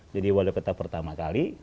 jadi walau kita pertama kali